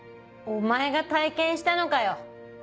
お前が体験したのかよ！